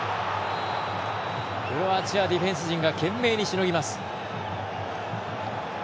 クロアチアディフェンス陣が懸命にしのぎます。